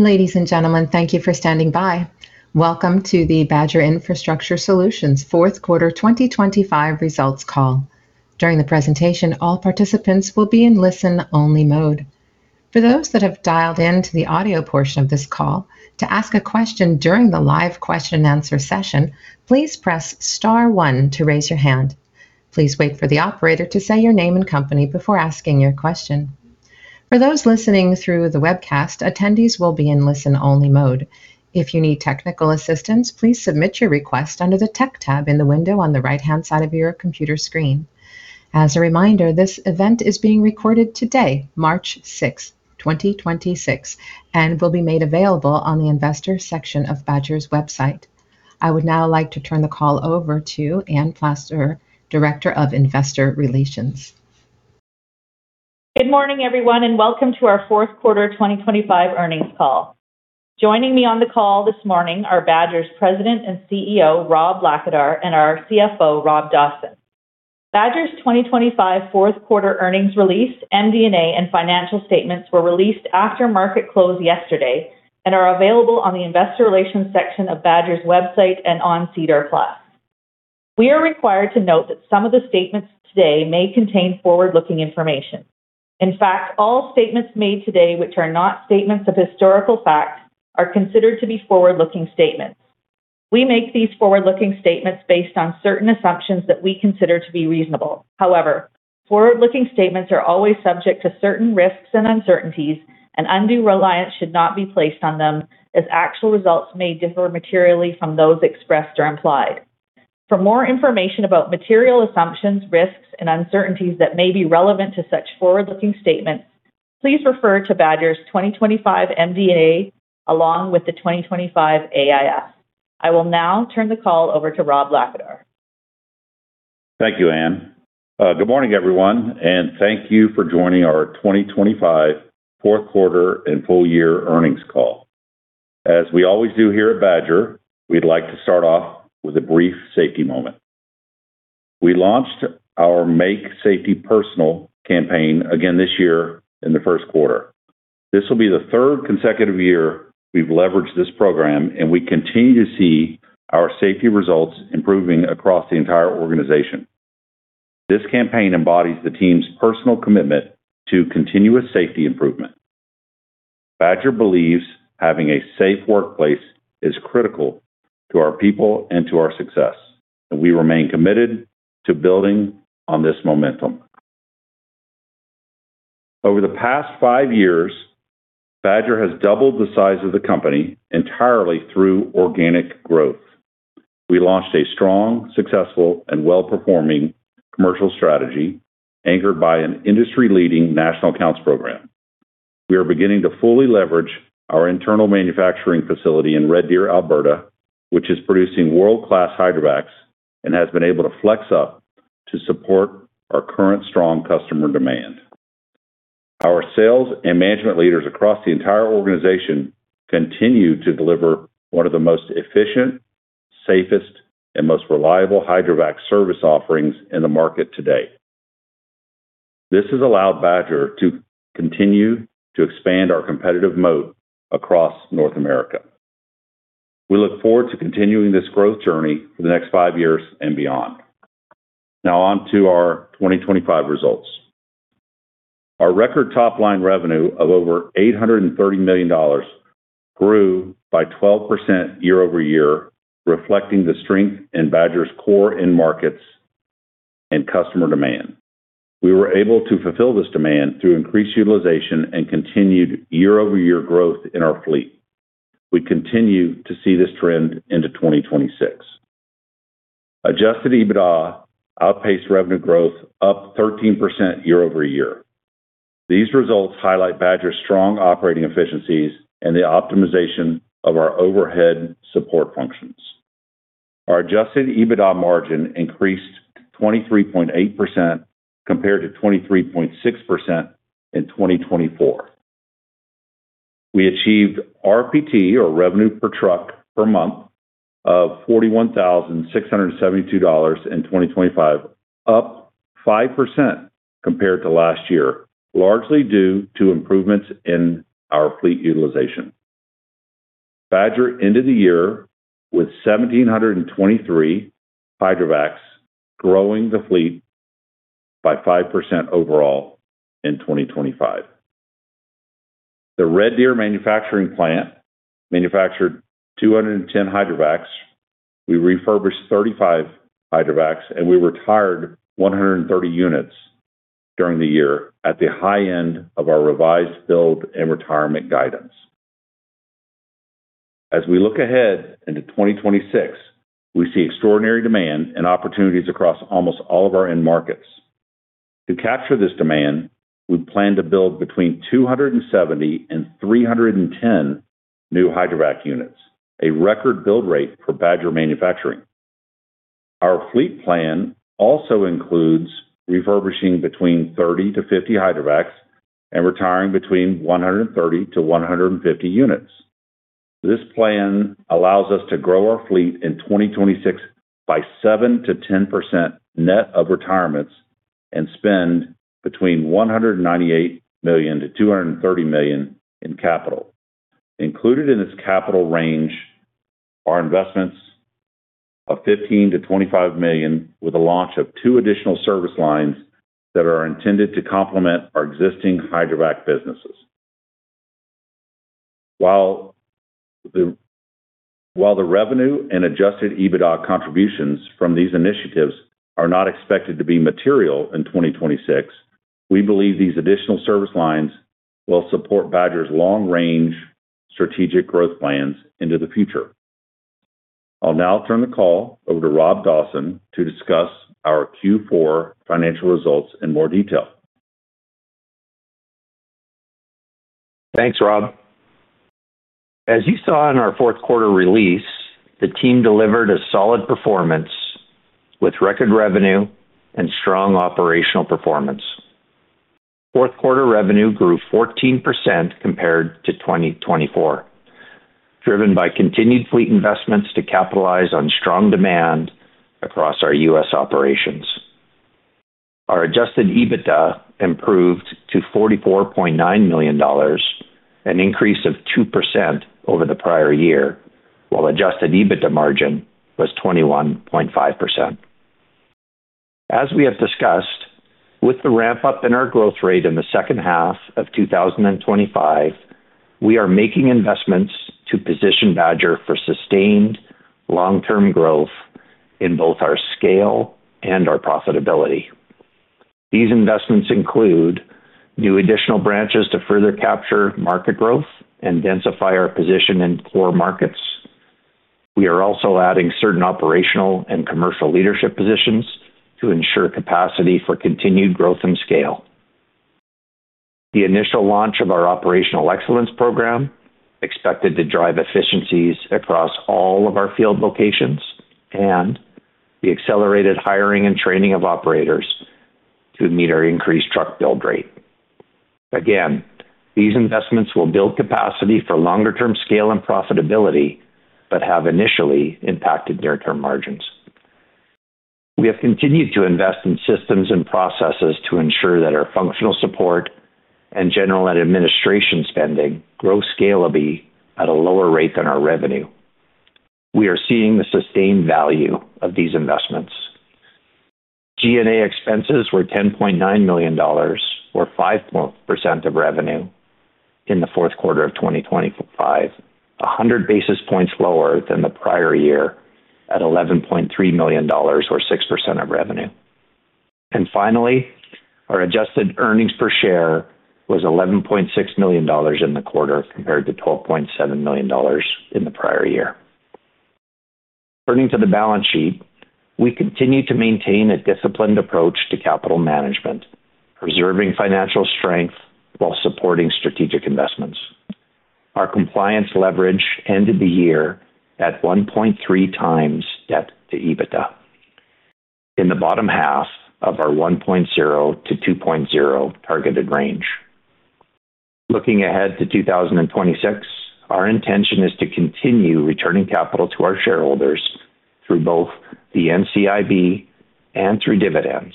Ladies and gentlemen, thank you for standing by. Welcome to the Badger Infrastructure Solutions Fourth Quarter 2025 Results Call. During the presentation, all participants will be in listen-only mode. For those that have dialed in to the audio portion of this call, to ask a question during the live question and answer session, please press star one to raise your hand. Please wait for the operator to say your name and company before asking your question. For those listening through the webcast, attendees will be in listen-only mode. If you need technical assistance, please submit your request under the tech tab in the window on the right-hand side of your computer screen. As a reminder, this event is being recorded today, March 6, 2026, and will be made available on the investor section of Badger's website. I would now like to turn the call over to Anne Plasterer, Director of Investor Relations. Good morning, everyone, and welcome to our fourth quarter 2025 earnings call. Joining me on the call this morning are Badger's President and CEO, Rob Blackadar, and our CFO, Rob Dawson. Badger's 2025 fourth quarter earnings release, MD&A, and financial statements were released after market close yesterday and are available on the investor relations section of Badger's website and on SEDAR+. We are required to note that some of the statements today may contain forward-looking information. In fact, all statements made today, which are not statements of historical fact, are considered to be forward-looking statements. We make these forward-looking statements based on certain assumptions that we consider to be reasonable. However, forward-looking statements are always subject to certain risks and uncertainties, and undue reliance should not be placed on them as actual results may differ materially from those expressed or implied. For more information about material assumptions, risks, and uncertainties that may be relevant to such forward-looking statements, please refer to Badger's 2025 MD&A along with the 2025 AIF. I will now turn the call over to Rob Blackadar. Thank you, Anne. Good morning, everyone, and thank you for joining our 2025 fourth quarter and full year earnings call. As we always do here at Badger, we'd like to start off with a brief safety moment. We launched our Make Safety Personal campaign again this year in the first quarter. This will be the third consecutive year we've leveraged this program, and we continue to see our safety results improving across the entire organization. This campaign embodies the team's personal commitment to continuous safety improvement. Badger believes having a safe workplace is critical to our people and to our success, and we remain committed to building on this momentum. Over the past five years, Badger has doubled the size of the company entirely through organic growth. We launched a strong, successful, and well-performing commercial strategy anchored by an industry-leading national accounts program. We are beginning to fully leverage our internal manufacturing facility in Red Deer, Alberta, which is producing world-class hydrovacs and has been able to flex up to support our current strong customer demand. Our sales and management leaders across the entire organization continue to deliver one of the most efficient, safest, and most reliable hydrovac service offerings in the market today. This has allowed Badger to continue to expand our competitive moat across North America. We look forward to continuing this growth journey for the next five years and beyond. On to our 2025 results. Our record top-line revenue of over $830 million grew by 12% year-over-year, reflecting the strength in Badger's core end markets and customer demand. We were able to fulfill this demand through increased utilization and continued year-over-year growth in our fleet. We continue to see this trend into 2026. Adjusted EBITDA outpaced revenue growth up 13% year-over-year. These results highlight Badger's strong operating efficiencies and the optimization of our overhead support functions. Our adjusted EBITDA margin increased 23.8% compared to 23.6% in 2024. We achieved RPT, or revenue per truck per month, of $41,672 in 2025, up 5% compared to last year, largely due to improvements in our fleet utilization. Badger ended the year with 1,723 hydrovacs, growing the fleet by 5% overall in 2025. The Red Deer manufacturing plant manufactured 210 hydrovacs. We refurbished 35 hydrovacs, and we retired 130 units during the year at the high end of our revised build and retirement guidance. As we look ahead into 2026, we see extraordinary demand and opportunities across almost all of our end markets. To capture this demand, we plan to build between 270 and 310 new hydrovac units, a record build rate for Badger manufacturing. Our fleet plan also includes refurbishing between 30 to 50 hydrovacs and retiring between 130 to 150 units. This plan allows us to grow our fleet in 2026 by 7%-10% net of retirements and spend between $198 million-$230 million in capital. Included in this capital range are investments of $15 million-$25 million, with the launch of two additional service lines that are intended to complement our existing hydrovac businesses. While the revenue and adjusted EBITDA contributions from these initiatives are not expected to be material in 2026, we believe these additional service lines will support Badger's long-range strategic growth plans into the future. I'll now turn the call over to Rob Dawson to discuss our Q4 financial results in more detail. Thanks, Rob. As you saw in our fourth quarter release, the team delivered a solid performance with record revenue and strong operational performance. Fourth quarter revenue grew 14% compared to 2024, driven by continued fleet investments to capitalize on strong demand across our U.S. operations. Our adjusted EBITDA improved to $44.9 million, an increase of 2% over the prior year, while adjusted EBITDA margin was 21.5%. As we have discussed, with the ramp-up in our growth rate in the second half of 2025, we are making investments to position Badger for sustained long-term growth in both our scale and our profitability. These investments include new additional branches to further capture market growth and densify our position in core markets. We are also adding certain operational and commercial leadership positions to ensure capacity for continued growth and scale. The initial launch of our Operational Excellence program expected to drive efficiencies across all of our field locations and the accelerated hiring and training of operators to meet our increased truck build rate. These investments will build capacity for longer term scale and profitability, but have initially impacted near-term margins. We have continued to invest in systems and processes to ensure that our functional support and general and administration spending grow scalably at a lower rate than our revenue. We are seeing the sustained value of these investments. G&A expenses were $10.9 million, or 5% of revenue in the fourth quarter of 2025, 100 basis points lower than the prior year at $11.3 million or 6% of revenue. Finally, our adjusted earnings per share was $11.6 million in the quarter, compared to $12.7 million in the prior year. Turning to the balance sheet, we continue to maintain a disciplined approach to capital management, preserving financial strength while supporting strategic investments. Our Compliance leverage ended the year at 1.3x debt to EBITDA. In the bottom half of our 1.0x-2.0x targeted range. Looking ahead to 2026, our intention is to continue returning capital to our shareholders through both the NCIB and through dividends.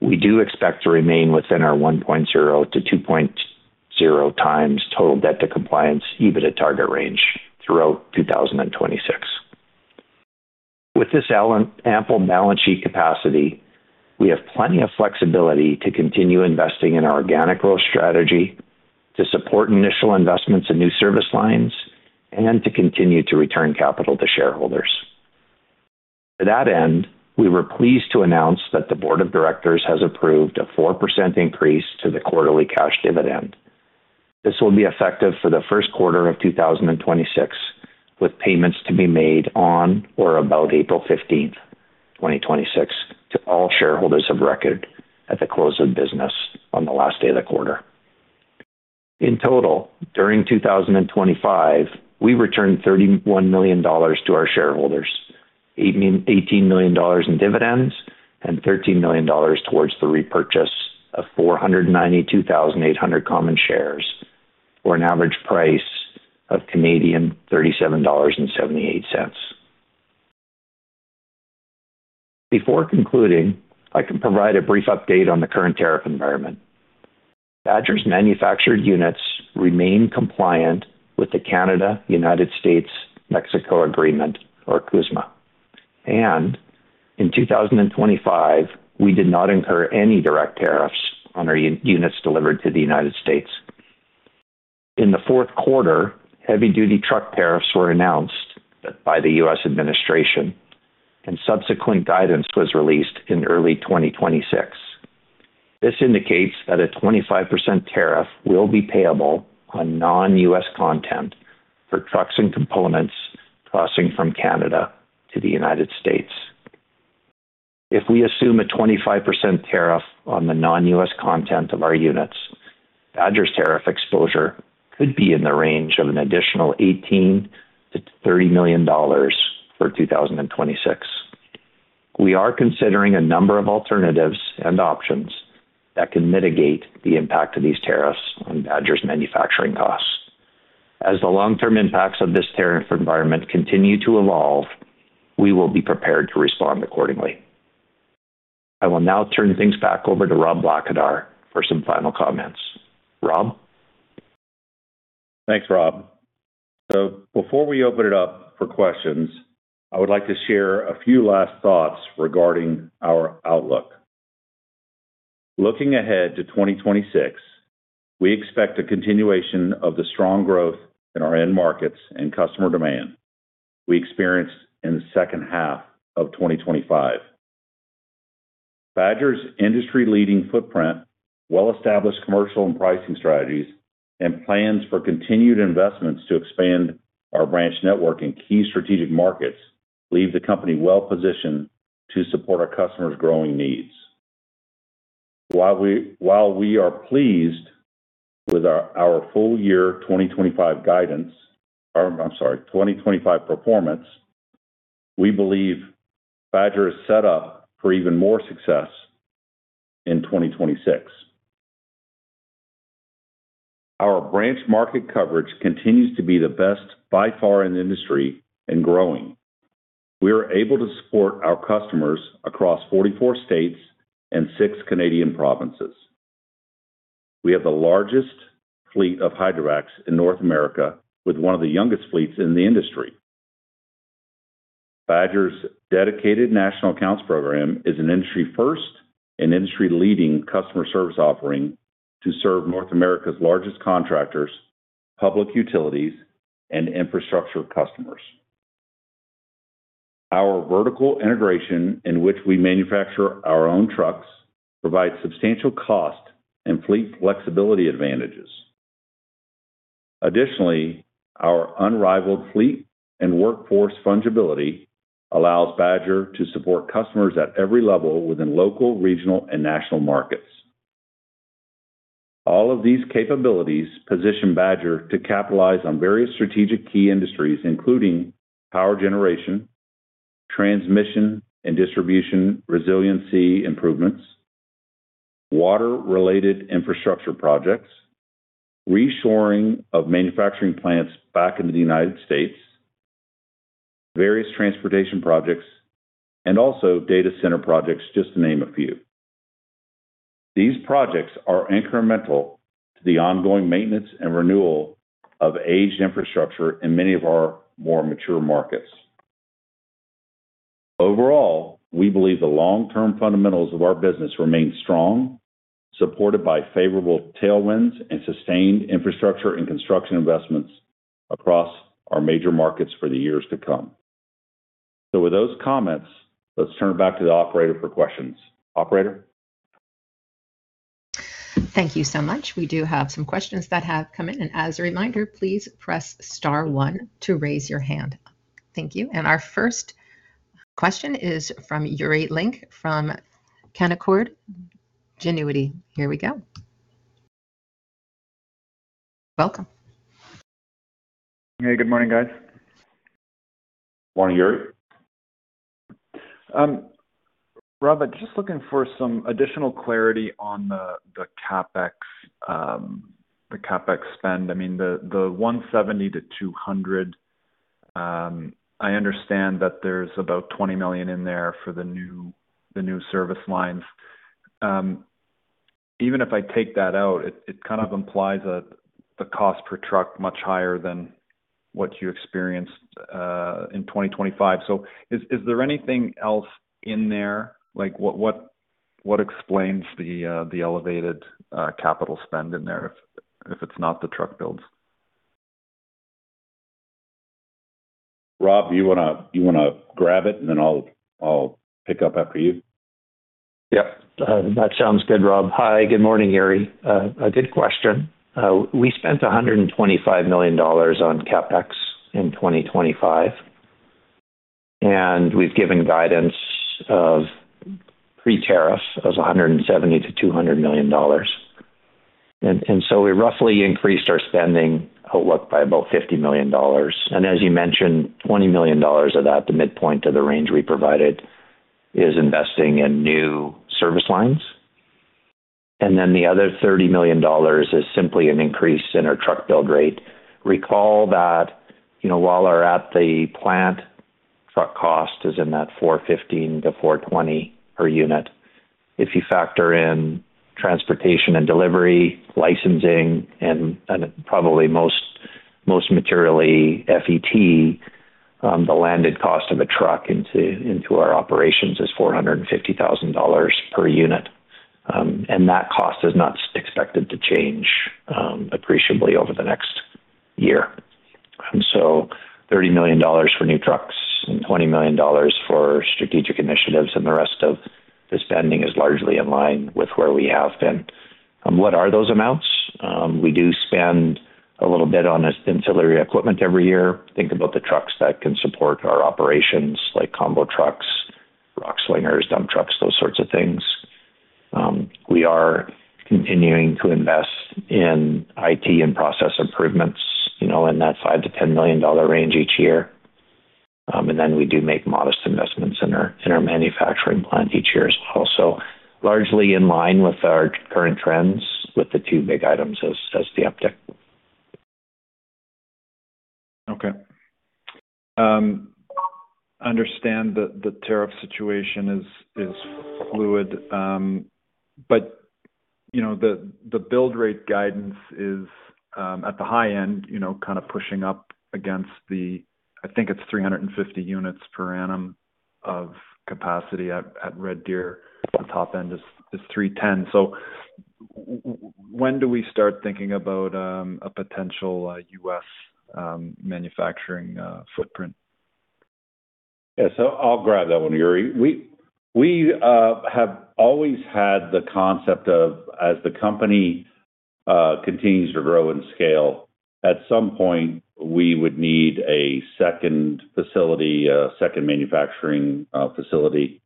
We do expect to remain within our 1.0x-2.0x total debt to compliance EBITDA target range throughout 2026. With this ample balance sheet capacity, we have plenty of flexibility to continue investing in our organic growth strategy to support initial investments in new service lines and to continue to return capital to shareholders. To that end, we were pleased to announce that the Board of Directors has approved a 4% increase to the quarterly cash dividend. This will be effective for the first quarter of 2026, with payments to be made on or about April 15, 2026, to all shareholders of record at the close of business on the last day of the quarter. In total, during 2025, we returned $31 million to our shareholders, $18 million in dividends and $13 million towards the repurchase of 492,800 common shares, for an average price of 37.78 Canadian dollars. Before concluding, I can provide a brief update on the current tariff environment. Badger's manufactured units remain compliant with the Canada-United States-Mexico Agreement, or CUSMA. In 2025, we did not incur any direct tariffs on our units delivered to the United States. In the fourth quarter, heavy duty truck tariffs were announced by the U.S. administration and subsequent guidance was released in early 2026. This indicates that a 25% tariff will be payable on non-U.S. content for trucks and components crossing from Canada to the United States. If we assume a 25% tariff on the non-U.S. content of our units, Badger's tariff exposure could be in the range of an additional $18 million-$30 million for 2026. We are considering a number of alternatives and options that can mitigate the impact of these tariffs on Badger's manufacturing costs. As the long-term impacts of this tariff environment continue to evolve, we will be prepared to respond accordingly. I will now turn things back over to Rob Blackadar for some final comments. Rob? Thanks, Rob. Before we open it up for questions, I would like to share a few last thoughts regarding our outlook. Looking ahead to 2026, we expect a continuation of the strong growth in our end markets and customer demand we experienced in the second half of 2025. Badger's industry-leading footprint, well-established commercial and pricing strategies, and plans for continued investments to expand our branch network in key strategic markets leave the company well-positioned to support our customers' growing needs. While we are pleased with our full year 2025 performance, we believe Badger is set up for even more success in 2026. Our branch market coverage continues to be the best by far in the industry and growing. We are able to support our customers across 44 states and six Canadian provinces. We have the largest fleet of hydrovacs in North America with one of the youngest fleets in the industry. Badger's dedicated national accounts program is an industry first and industry-leading customer service offering to serve North America's largest contractors, public utilities, and infrastructure customers. Our vertical integration, in which we manufacture our own trucks, provides substantial cost and fleet flexibility advantages. Additionally, our unrivaled fleet and workforce fungibility allows Badger to support customers at every level within local, regional, and national markets. All of these capabilities position Badger to capitalize on various strategic key industries, including power generation, transmission and distribution resiliency improvements, water-related infrastructure projects, reshoring of manufacturing plants back into the United States, various transportation projects, and also data center projects, just to name a few. These projects are incremental to the ongoing maintenance and renewal of aged infrastructure in many of our more mature markets. Overall, we believe the long-term fundamentals of our business remain strong, supported by favorable tailwinds and sustained infrastructure and construction investments across our major markets for the years to come. With those comments, let's turn it back to the operator for questions. Operator? Thank you so much. We do have some questions that have come in. As a reminder, please press star one to raise your hand. Thank you. Our first question is from Yuri Lynk from Canaccord Genuity. Here we go. Welcome. Hey, good morning, guys. Morning, Yuri. Rob, just looking for some additional clarity on the CapEx, the CapEx spend. I mean, the $170 million-$200 million, I understand that there's about $20 million in there for the new, the new service lines. Even if I take that out, it kind of implies that the cost per truck much higher than what you experienced, in 2025. Is, is there anything else in there? Like what, what explains the elevated, capital spend in there if it's not the truck builds? Rob, you wanna grab it, and then I'll pick up after you? Yep. That sounds good, Rob. Hi. Good morning, Yuri. A good question. We spent $125 million on CapEx in 2025, and we've given guidance of pre-tariff as $170 million-$200 million. We roughly increased our spending, what? By about $50 million. As you mentioned, $20 million of that, the midpoint of the range we provided, is investing in new service lines. The other $30 million is simply an increase in our truck build rate. Recall that, you know, while we're at the plant, truck cost is in that $41,500-$42,000 per unit. If you factor in transportation and delivery, licensing, and probably most materially FET, the landed cost of a truck into our operations is $450,000 per unit. That cost is not expected to change appreciably over the next year. $30 million for new trucks and $20 million for strategic initiatives, the rest of the spending is largely in line with where we have been. What are those amounts? We do spend a little bit on ancillary equipment every year. Think about the trucks that can support our operations like combo trucks, rock slingers, dump trucks, those sorts of things. We are continuing to invest in IT and process improvements, you know, in that $5 million-$10 million range each year. We do make modest investments in our, in our manufacturing plant each year as well. Largely in line with our current trends with the two big items as the uptick. Okay. understand the tariff situation is fluid. you know, the build rate guidance is at the high end, you know, kind of pushing up against I think it's 350 units per annum of capacity at Red Deer. The top end is 310. when do we start thinking about a potential U.S. manufacturing footprint? I'll grab that one, Yuri. We have always had the concept of, as the company continues to grow and scale, at some point, we would need a second facility, second manufacturing facility.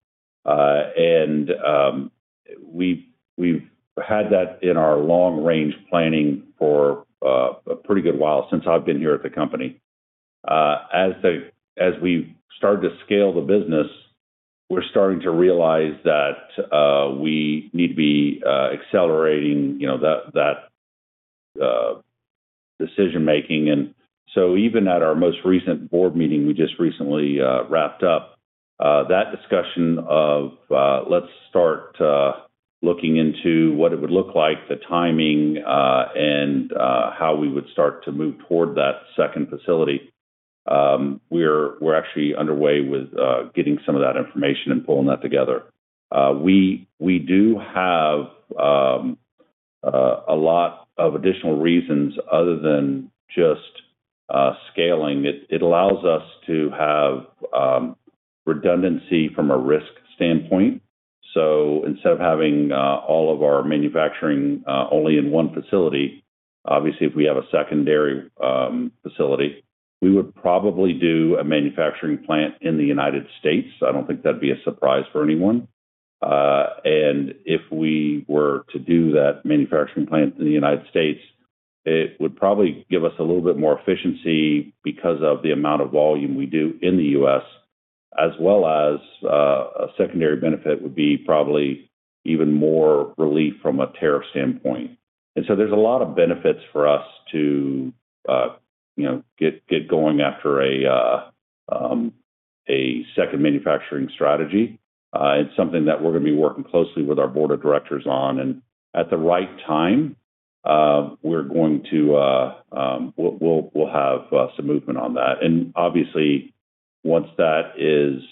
We've had that in our long-range planning for a pretty good while, since I've been here at the company. As we start to scale the business, we're starting to realize that we need to be accelerating, you know, that decision-making. Even at our most recent board meeting we just recently wrapped up that discussion of, let's start looking into what it would look like, the timing, and how we would start to move toward that second facility. We're actually underway with getting some of that information and pulling that together. We do have a lot of additional reasons other than just scaling. It allows us to have redundancy from a risk standpoint. Instead of having all of our manufacturing only in one facility, obviously, if we have a secondary facility, we would probably do a manufacturing plant in the United States. I don't think that'd be a surprise for anyone. If we were to do that manufacturing plant in the United States, it would probably give us a little bit more efficiency because of the amount of volume we do in the U.S., as well as a secondary benefit would be probably even more relief from a tariff standpoint. There's a lot of benefits for us to, you know, get going after a second manufacturing strategy. It's something that we're gonna be working closely with our Board of Directors on. At the right time, we're going to, we'll have some movement on that. Obviously once that is,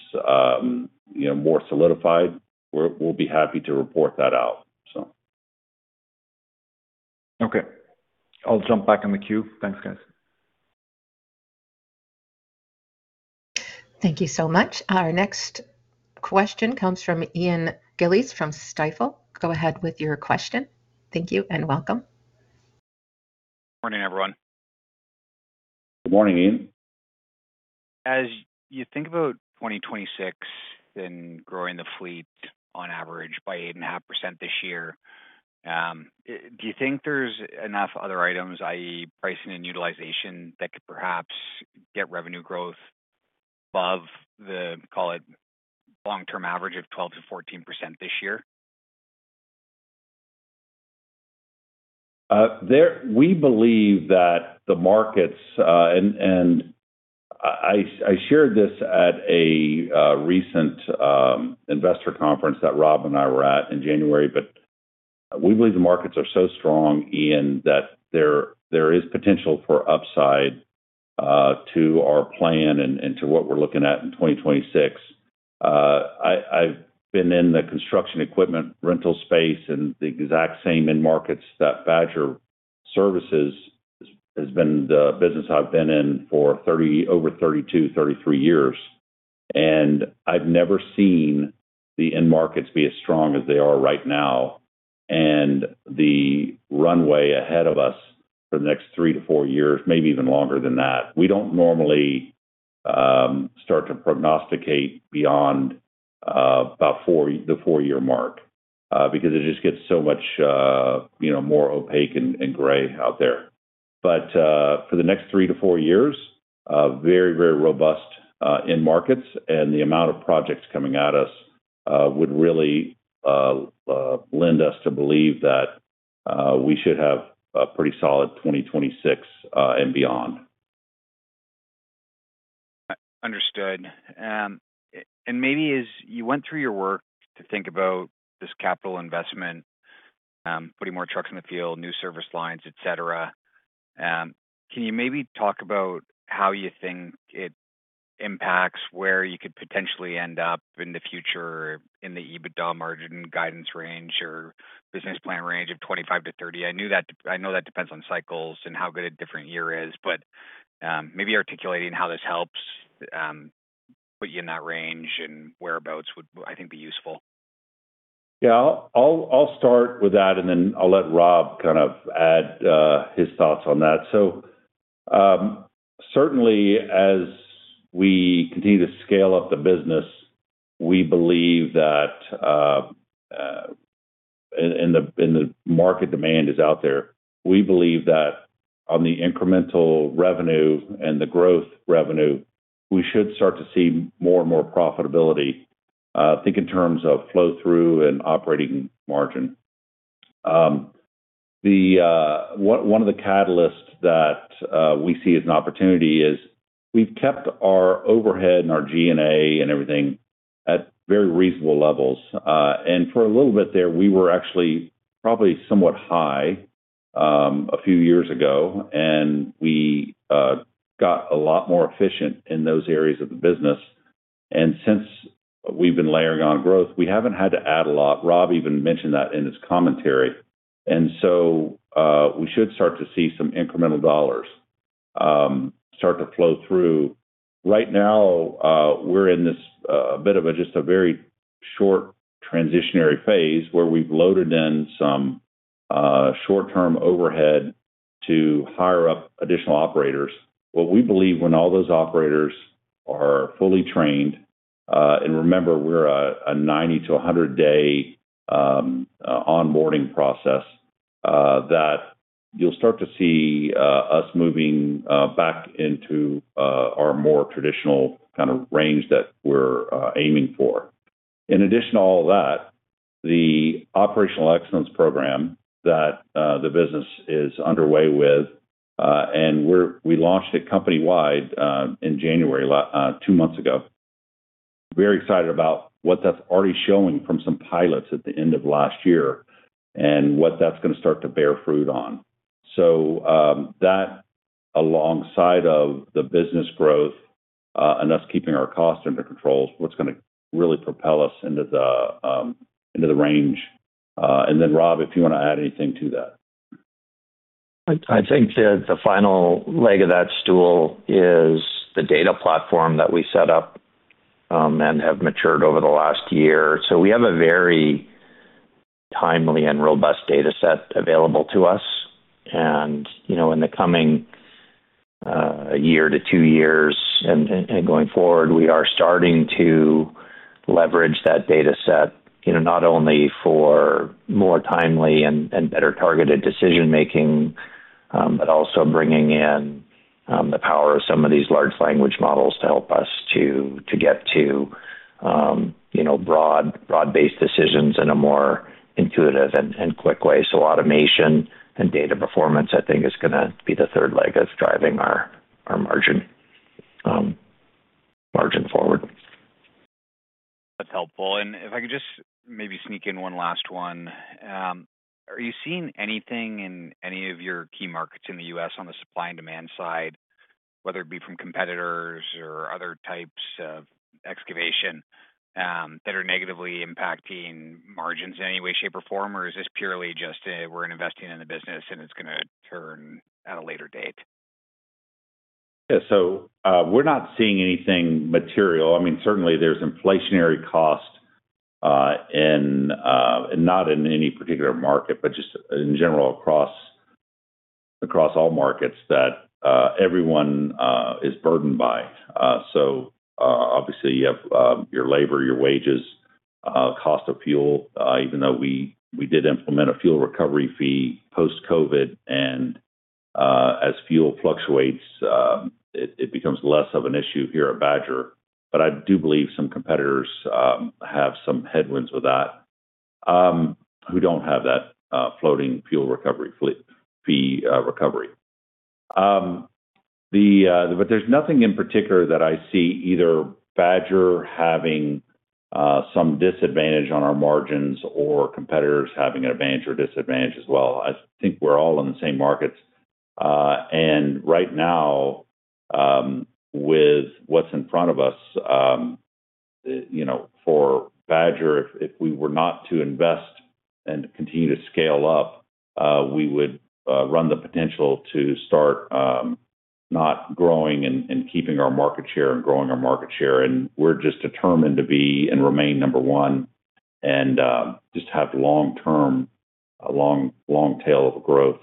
you know, more solidified, we'll be happy to report that out, so. Okay. I'll jump back in the queue. Thanks, guys. Thank you so much. Our next question comes from Ian Gillies from Stifel. Go ahead with your question. Thank you and welcome. Morning, everyone. Good morning, Ian. As you think about 2026 and growing the fleet on average by 8.5% this year, do you think there's enough other items, i.e., pricing and utilization, that could perhaps get revenue growth above the, call it, long-term average of 12%-14% this year? We believe that the markets, and I shared this at a recent investor conference that Rob and I were at in January. We believe the markets are so strong, Ian, that there is potential for upside to our plan and to what we're looking at in 2026. I've been in the construction equipment rental space and the exact same end markets that Badger Services has been the business I've been in for 30, over 32, 33 years, and I've never seen the end markets be as strong as they are right now. The runway ahead of us for the next three to four years, maybe even longer than that, we don't normally start to prognosticate beyond about four, the four-year mark, because it just gets so much, you know, more opaque and gray out there. For the next three to four years, very, very robust end markets and the amount of projects coming at us would really lend us to believe that we should have a pretty solid 2026 and beyond. Understood. Maybe as you went through your work to think about this capital investment, putting more trucks in the field, new service lines, et cetera, can you maybe talk about how you think it impacts where you could potentially end up in the future in the EBITDA margin guidance range or business plan range of 25%-30%? I know that depends on cycles and how good a different year is, but, maybe articulating how this helps, put you in that range and whereabouts would, I think, be useful. Yeah. I'll start with that, and then I'll let Rob kind of add his thoughts on that. Certainly as we continue to scale up the business, we believe that in the market demand is out there. We believe that on the incremental revenue and the growth revenue, we should start to see more and more profitability, think in terms of flow through and operating margin. One of the catalysts that we see as an opportunity is we've kept our overhead and our G&A and everything at very reasonable levels. For a little bit there, we were actually probably somewhat high a few years ago, and we got a lot more efficient in those areas of the business. Since we've been layering on growth, we haven't had to add a lot. Rob even mentioned that in his commentary. We should start to see some incremental dollars start to flow through. Right now, we're in this bit of a just a very short transitionary phase where we've loaded in some short-term overhead to hire up additional operators. What we believe when all those operators are fully trained, and remember, we're a 90 to a 100-day onboarding process, that you'll start to see us moving back into our more traditional kind of range that we're aiming for. In addition to all that, the Operational Excellence program that the business is underway with, and we launched it company-wide in January two months ago. Very excited about what that's already showing from some pilots at the end of last year and what that's gonna start to bear fruit on. That alongside of the business growth, and us keeping our costs under control is what's gonna really propel us into the, into the range. Rob, if you wanna add anything to that. I think the final leg of that stool is the data platform that we set up and have matured over the last year. We have a very timely and robust data set available to us. You know, in the coming year to two years and going forward, we are starting to leverage that data set, you know, not only for more timely and better targeted decision-making, but also bringing in the power of some of these large language models to help us to get to, you know, broad-based decisions in a more intuitive and quick way. Automation and data performance, I think is gonna be the third leg that's driving our margin forward. That's helpful. If I could just maybe sneak in one last one. Are you seeing anything in any of your key markets in the U.S. on the supply and demand side, whether it be from competitors or other types of excavation, that are negatively impacting margins in any way, shape, or form? Is this purely just a, we're investing in the business and it's gonna turn at a later date? Yeah. We're not seeing anything material. I mean, certainly there's inflationary costs in not in any particular market, but just in general across all markets that everyone is burdened by. Obviously, you have your labor, your wages, cost of fuel. Even though we did implement a Fuel Recovery Fee post-COVID, and as fuel fluctuates, it becomes less of an issue here at Badger. I do believe some competitors have some headwinds with that who don't have that floating Fuel Recovery Fee recovery. There's nothing in particular that I see either Badger having some disadvantage on our margins or competitors having an advantage or disadvantage as well. I think we're all in the same markets. Right now, with what's in front of us, you know, for Badger, if we were not to invest and continue to scale up, we would run the potential to start not growing and keeping our market share and growing our market share. We're just determined to be and remain number one and just have long-term, a long tail of growth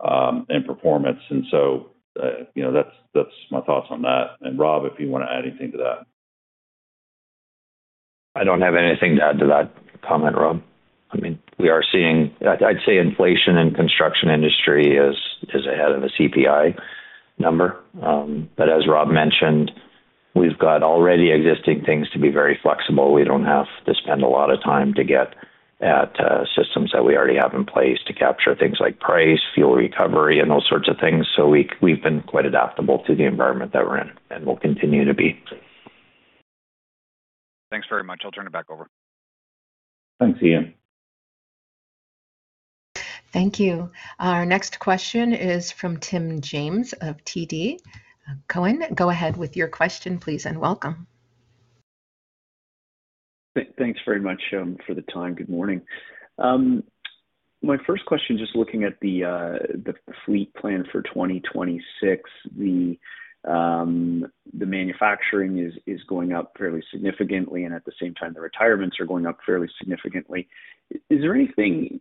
and performance. You know, that's my thoughts on that. Rob, if you wanna add anything to that. I don't have anything to add to that comment, Rob. I mean, we are seeing I'd say inflation in construction industry is ahead of the CPI number. As Rob mentioned, we've got already existing things to be very flexible. We don't have to spend a lot of time to get at systems that we already have in place to capture things like price, fuel recovery, and those sorts of things. We've been quite adaptable to the environment that we're in and will continue to be. Thanks very much. I'll turn it back over. Thanks, Ian. Thank you. Our next question is from Tim James of TD Cowen, go ahead with your question, please, and welcome. Thanks very much for the time. Good morning. My first question, just looking at the fleet plan for 2026, the manufacturing is going up fairly significantly, and at the same time, the retirements are going up fairly significantly. Is there anything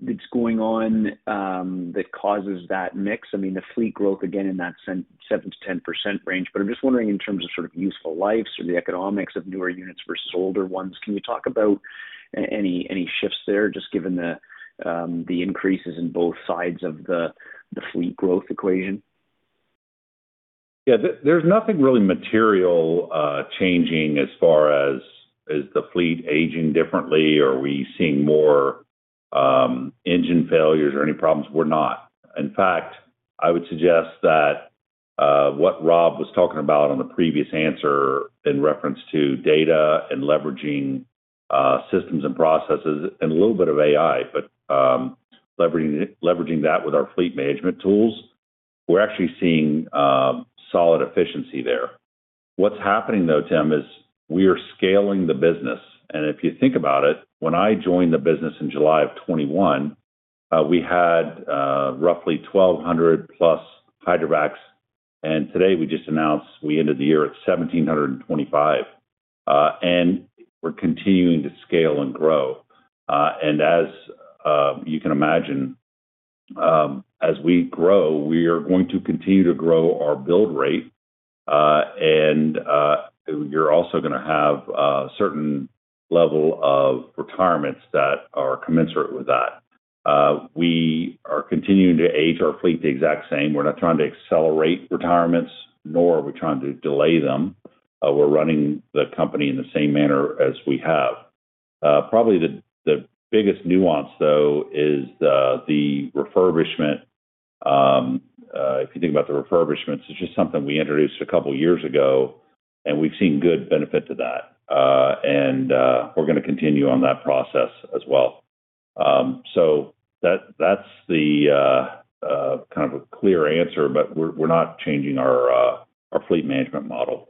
that's going on that causes that mix? I mean, the fleet growth, again, in that 7%-10% range. But I'm just wondering, in terms of useful life, so the economics of newer units versus older ones, can you talk about any shifts there, just given the increases in both sides of the fleet growth equation? Yeah. There's nothing really material changing as far as the fleet aging differently or are we seeing more engine failures or any problems. We're not. In fact, I would suggest that what Rob was talking about on the previous answer in reference to data and leveraging systems and processes, and a little bit of AI, but leveraging that with our fleet management tools, we're actually seeing solid efficiency there. What's happening, though, Tim, is we are scaling the business. If you think about it, when I joined the business in July of 2021, we had roughly 1,200+ hydrovacs, and today we just announced we ended the year at 1,725. We're continuing to scale and grow. As you can imagine, as we grow, we are going to continue to grow our build rate, and you're also going to have a certain level of retirements that are commensurate with that. We are continuing to age our fleet the exact same. We're not trying to accelerate retirements, nor are we trying to delay them. We're running the company in the same manner as we have. Probably the biggest nuance, though, is the refurbishment. If you think about the refurbishments, it's just something we introduced a couple of years ago, and we've seen good benefit to that. We're going to continue on that process as well. That, that's the kind of a clear answer, but we're not changing our fleet management model.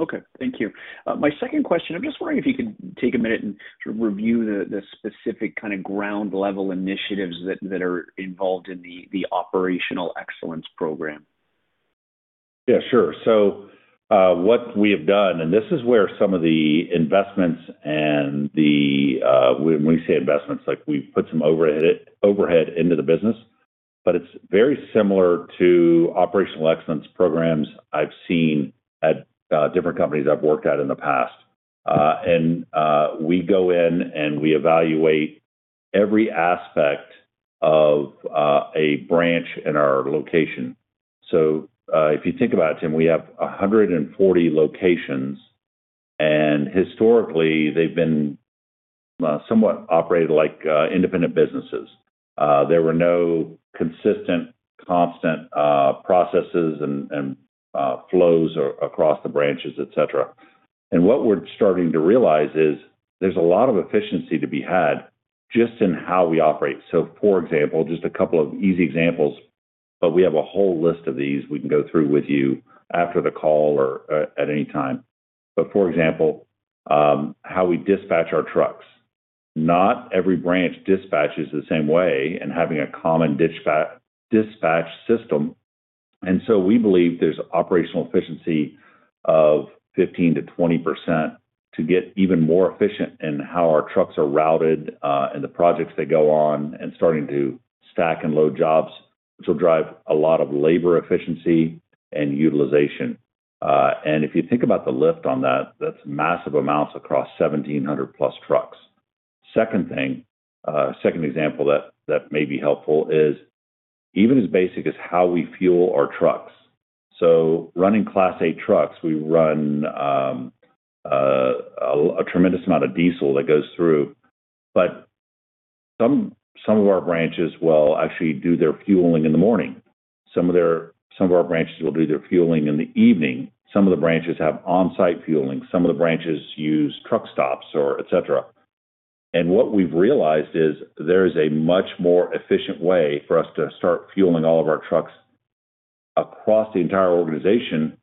Okay, thank you. My second question, I'm just wondering if you could take a minute and sort of review the specific ground level initiatives that are involved in the Operational Excellence program? Yeah, sure. What we have done, and this is where some of the investments and the, when we say investments, like, we put some overhead overhead into the business, but it's very similar to Operational Excellence programs I've seen at different companies I've worked at in the past. We go in and we evaluate every aspect of a branch in our location. If you think about it, Tim, we have 140 locations, and historically, they've been somewhat operated like independent businesses. There were no consistent, constant, processes and flows across the branches, et cetera. What we're starting to realize is there's a lot of efficiency to be had just in how we operate. For example, just a couple of easy examples, but we have a whole list of these we can go through with you after the call or at any time. For example, how we dispatch our trucks. Not every branch dispatches the same way and having a common dispatch system. We believe there's operational efficiency of 15%-20% to get even more efficient in how our trucks are routed, and the projects they go on and starting to stack and load jobs, which will drive a lot of labor efficiency and utilization. And if you think about the lift on that's massive amounts across 1,700+ trucks. Second thing, second example that may be helpful is even as basic as how we fuel our trucks. Running Class A trucks, we run a tremendous amount of diesel that goes through. Some of our branches will actually do their fueling in the morning. Some of our branches will do their fueling in the evening. Some of the branches have on-site fueling. Some of the branches use truck stops or et cetera. What we've realized is there is a much more efficient way for us to start fueling all of our trucks across the entire organization,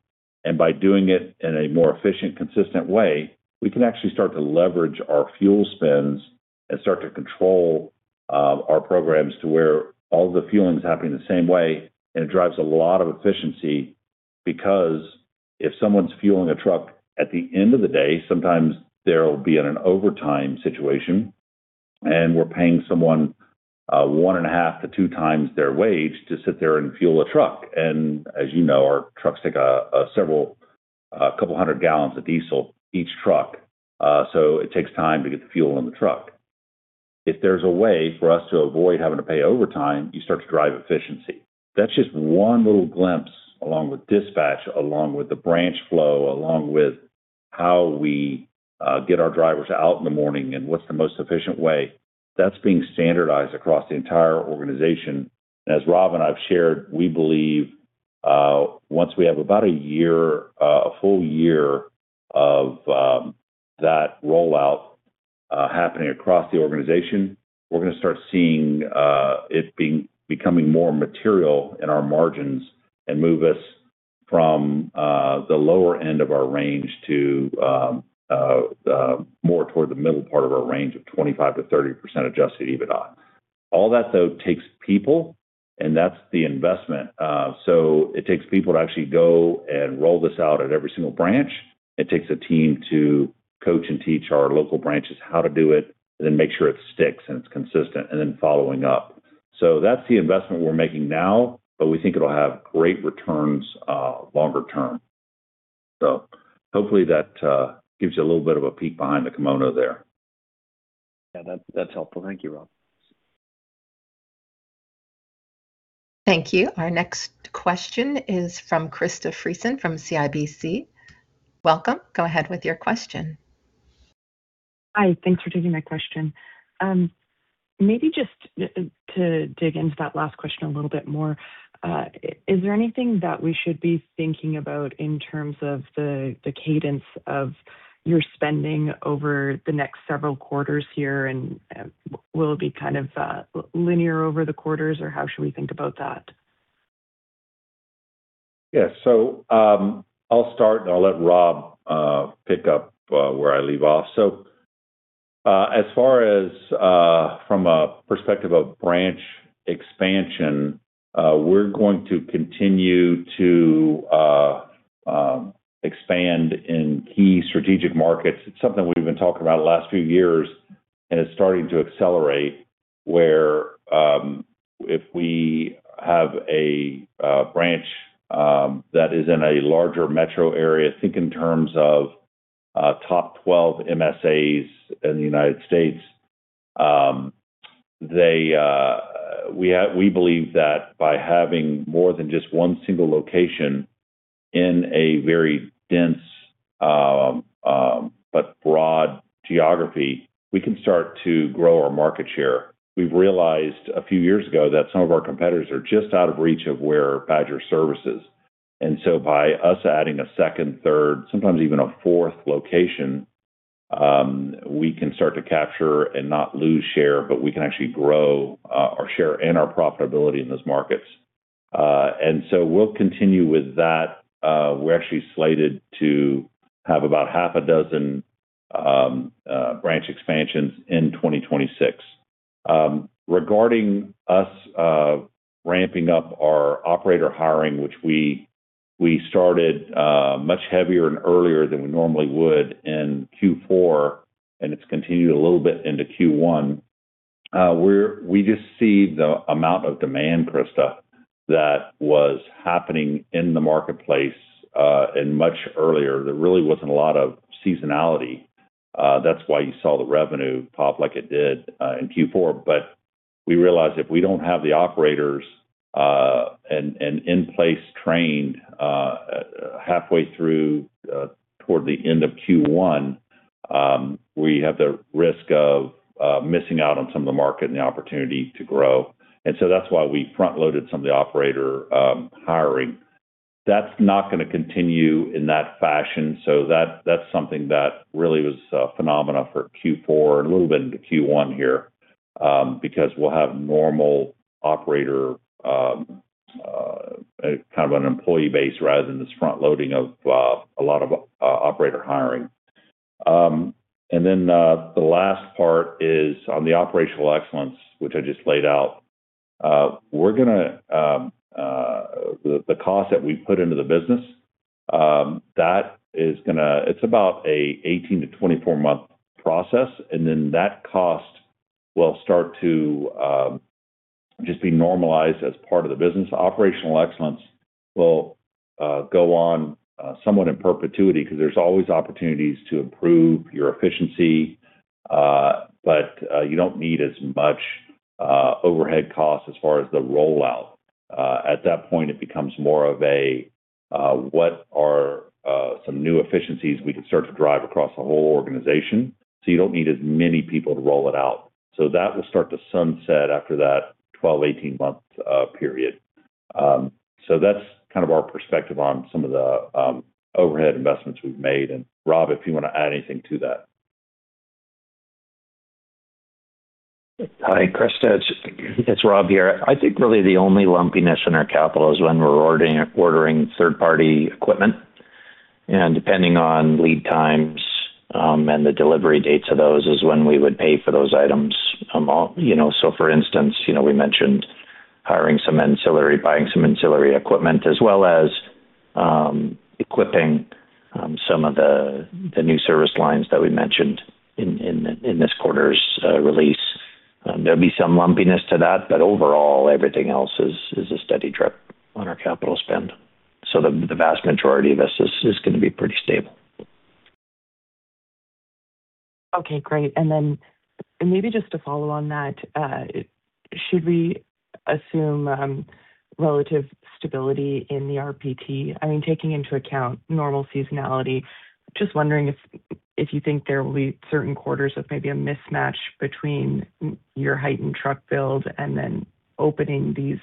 and by doing it in a more efficient, consistent way, we can actually start to leverage our fuel spends and start to control our programs to where all the fueling is happening the same way and it drives a lot of efficiency. If someone's fueling a truck at the end of the day, sometimes they'll be in an overtime situation, we're paying someone, 1.5x to 2x their wage to sit there and fuel a truck. As you know, our trucks take, a couple of 100 gallons of diesel each truck, so it takes time to get the fuel in the truck. If there's a way for us to avoid having to pay overtime, you start to drive efficiency. That's just one little glimpse, along with dispatch, along with the branch flow, along with how we get our drivers out in the morning and what's the most efficient way. That's being standardized across the entire organization. As Rob and I've shared, we believe, once we have about a year, a full year of that rollout happening across the organization, we're going to start seeing it becoming more material in our margins and move us from the lower end of our range to more toward the middle part of our range of 25%-30% adjusted EBITDA. All that, though, takes people, and that's the investment. It takes people to actually go and roll this out at every single branch. It takes a team to coach and teach our local branches how to do it and then make sure it sticks and it's consistent, and then following up. That's the investment we're making now, but we think it'll have great returns longer term. Hopefully that gives you a little bit of a peek behind the kimono there. Yeah. That's helpful. Thank you, Rob. Thank you. Our next question is from Krista Friesen from CIBC. Welcome. Go ahead with your question. Hi. Thanks for taking my question. Maybe just to dig into that last question a little bit more. Is there anything that we should be thinking about in terms of the cadence of your spending over the next several quarters here, will it be kind of linear over the quarters, or how should we think about that? Yes. I'll start, and I'll let Rob pick up where I leave off. As far as from a perspective of branch expansion, we're going to continue to expand in key strategic markets. It's something we've been talking about the last few years, and it's starting to accelerate, where if we have a branch that is in a larger metro area, think in terms of top 12 MSAs in the United States, we believe that by having more than just one single location in a very dense, but broad geography, we can start to grow our market share. We've realized a few years ago that some of our competitors are just out of reach of where Badger services. By us adding a second, third, sometimes even a fourth location, we can start to capture and not lose share, but we can actually grow our share and our profitability in those markets. We'll continue with that. We're actually slated to have about half a dozen branch expansions in 2026. Regarding us ramping up our operator hiring, which we started much heavier and earlier than we normally would in Q4, and it's continued a little bit into Q1. We just see the amount of demand, Krista, that was happening in the marketplace and much earlier. There really wasn't a lot of seasonality. That's why you saw the revenue pop like it did in Q4. We realized if we don't have the operators and in place trained, halfway through toward the end of Q1, we have the risk of missing out on some of the market and the opportunity to grow. So that's why we front-loaded some of the operator hiring. That's not gonna continue in that fashion. That's something that really was a phenomenon for Q4 and a little bit into Q1 here, because we'll have normal operator kind of an employee base rather than this front-loading of a lot of operator hiring. The last part is on the operational excellence, which I just laid out. The cost that we put into the business, it's about a 18-24 month process, and then that cost will start to just be normalized as part of the business. Operational Excellence will go on somewhat in perpetuity 'cause there's always opportunities to improve your efficiency, you don't need as much overhead costs as far as the rollout. At that point it becomes more of a, what are some new efficiencies we can start to drive across the whole organization, you don't need as many people to roll it out. That will start to sunset after that 12-18 month period. That's kind of our perspective on some of the overhead investments we've made. Rob, if you wanna add anything to that. Hi, Krista. It's Rob here. I think really the only lumpiness in our capital is when we're ordering third-party equipment. Depending on lead times, and the delivery dates of those is when we would pay for those items. You know, for instance, you know, we mentioned buying some ancillary equipment, as well as equipping some of the new service lines that we mentioned in this quarter's release. There'll be some lumpiness to that, but overall, everything else is a steady trip on our capital spend. The vast majority of this is gonna be pretty stable. Okay. Great. Maybe just to follow on that, should we assume relative stability in the RPT? I mean, taking into account normal seasonality, just wondering if you think there will be certain quarters of maybe a mismatch between your heightened truck build and then opening these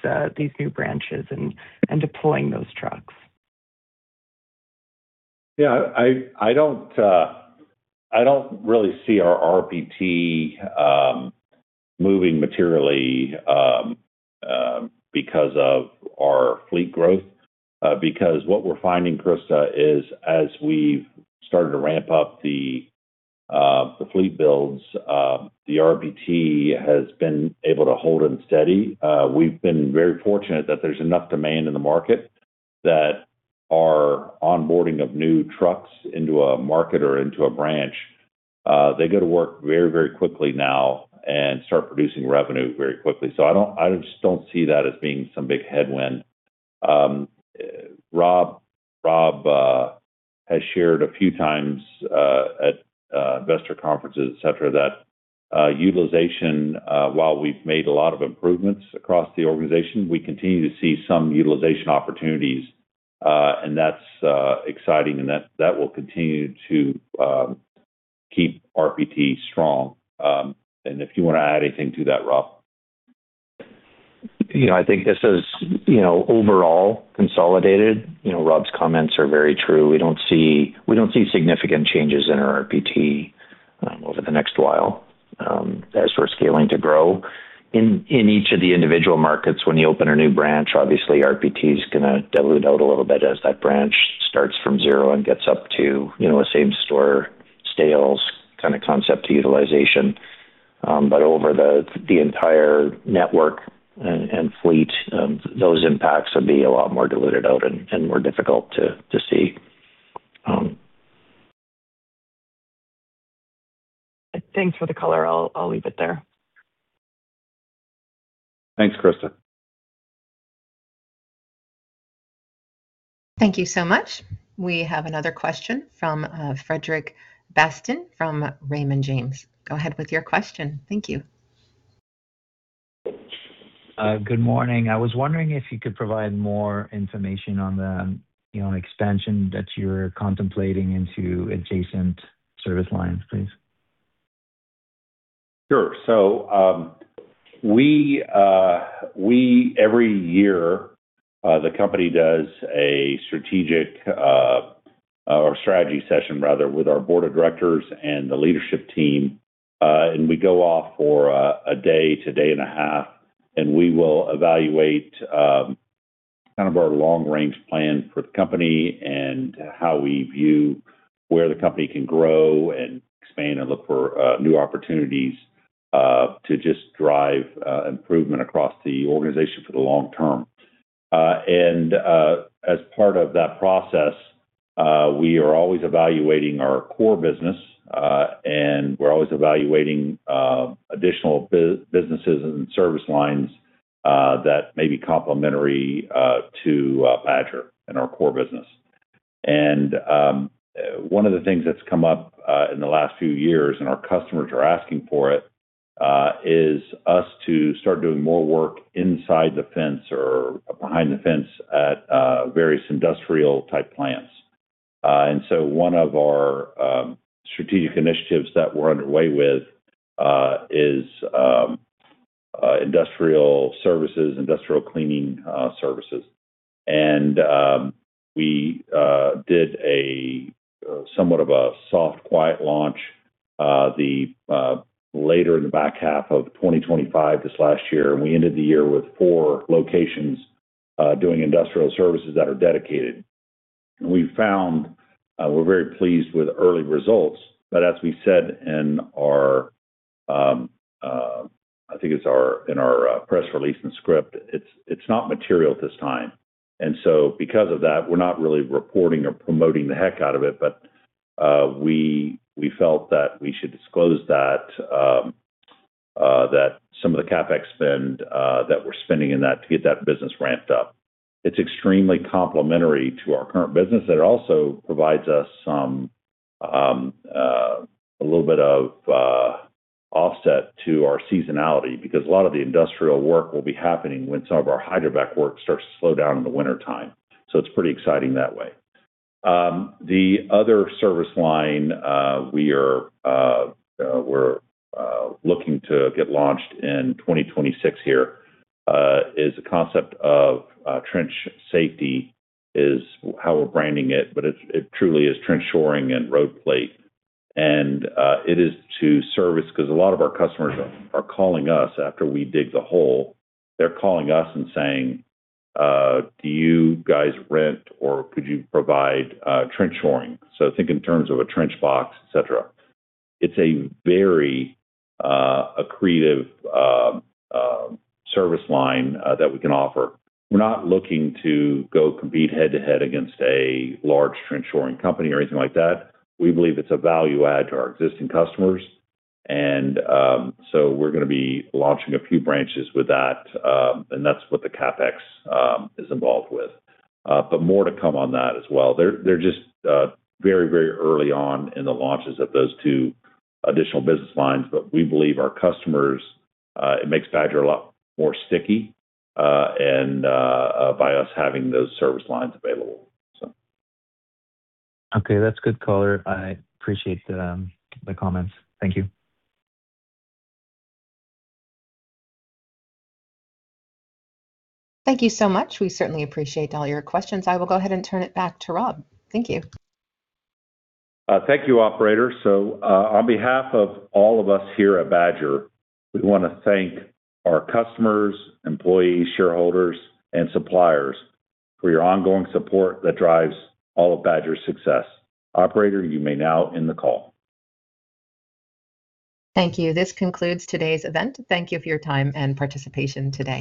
new branches and deploying those trucks? Yeah, I don't really see our RPT moving materially because of our fleet growth. Because what we're finding, Krista, is as we've started to ramp up the fleet builds, the RPT has been able to hold them steady. We've been very fortunate that there's enough demand in the market that our onboarding of new trucks into a market or into a branch, they go to work very, very quickly now and start producing revenue very quickly. I don't, I just don't see that as being some big headwind. Rob has shared a few times at investor conferences, et cetera, that utilization, while we've made a lot of improvements across the organization, we continue to see some utilization opportunities. That's exciting, and that will continue to keep RPT strong. If you want to add anything to that, Rob. You know, I think this is, you know, overall consolidated. You know, Rob's comments are very true. We don't see significant changes in our RPT over the next while as we're scaling to grow. In each of the individual markets, when you open a new branch, obviously RPT is gonna dilute out a little bit as that branch starts from zero and gets up to, you know, a same store sales kind of concept to utilization. Over the entire network and fleet, those impacts would be a lot more diluted out and more difficult to see. Thanks for the color. I'll leave it there. Thanks, Krista. Thank you so much. We have another question from Frederic Bastien from Raymond James. Go ahead with your question. Thank you. Good morning. I was wondering if you could provide more information on the, you know, expansion that you're contemplating into adjacent service lines, please. Sure. We every year the company does a strategic or strategy session rather with our Board of Directors and the leadership team. And we go off for 1 day to 1.5 days, and we will evaluate kind of our long-range plan for the company and how we view where the company can grow and expand and look for new opportunities to just drive improvement across the organization for the long term. And as part of that process, we are always evaluating our core business, and we're always evaluating additional businesses and service lines that may be complementary to Badger and our core business. One of the things that's come up in the last few years, and our customers are asking for it, is us to start doing more work inside the fence or behind the fence at various industrial type plants. One of our strategic initiatives that we're underway with is industrial services, industrial cleaning services. We did a somewhat of a soft, quiet launch later in the back half of 2025, this last year. We ended the year with four locations doing industrial services that are dedicated. We found we're very pleased with early results. As we said in our, I think it's our, in our press release and script, it's not material at this time. Because of that, we're not really reporting or promoting the heck out of it. We felt that we should disclose that some of the CapEx spend that we're spending in that to get that business ramped up. It's extremely complementary to our current business. It also provides us some a little bit of offset to our seasonality, because a lot of the industrial work will be happening when some of our hydrovac work starts to slow down in the wintertime. It's pretty exciting that way. The other service line we are we're looking to get launched in 2026 here is the concept of trench safety is how we're branding it, but it truly is trench shoring and road plate. It is to service because a lot of our customers are calling us after we dig the hole. They're calling us and saying, "Do you guys rent or could you provide trench shoring?" Think in terms of a trench box, et cetera. It's a very accretive service line that we can offer. We're not looking to go compete head to head against a large trench shoring company or anything like that. We believe it's a value add to our existing customers. We're gonna be launching a few branches with that, and that's what the CapEx is involved with. More to come on that as well. They're just very, very early on in the launches of those two additional business lines. We believe our customers, it makes Badger a lot more sticky, and, by us having those service lines available, so. Okay, that's good color. I appreciate the comments. Thank you. Thank you so much. We certainly appreciate all your questions. I will go ahead and turn it back to Rob. Thank you. Thank you, operator. On behalf of all of us here at Badger, we want to thank our customers, employees, shareholders, and suppliers for your ongoing support that drives all of Badger's success. Operator, you may now end the call. Thank you. This concludes today's event. Thank you for your time and participation today.